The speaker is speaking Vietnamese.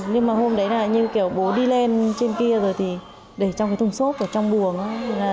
nhưng mà hôm đấy là như kiểu bố đi lên trên kia rồi thì để trong cái thùng xốp ở trong buồng